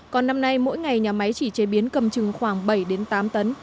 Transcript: còn năm nay mỗi ngày nhà máy chỉ chế biến cầm trừng khoảng bảy tám tấn